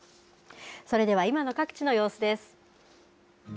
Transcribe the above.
それでは今の各地の様子です。